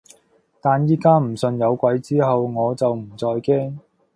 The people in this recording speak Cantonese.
但而家唔信有鬼之後，我就唔再驚